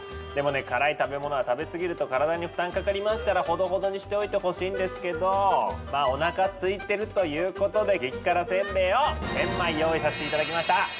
でもね辛い食べ物は食べ過ぎると体に負担かかりますからほどほどにしておいてほしいんですけどまあおなかすいてるということで激辛煎餅を１，０００枚用意させていただきました。